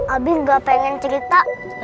abi gak pengen cerita